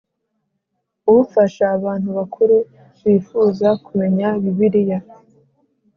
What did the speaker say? ufasha abantu bakuru bifuza kumenya Bibiliya